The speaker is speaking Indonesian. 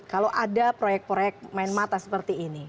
kalau ada proyek proyek main mata sebenarnya gitu ya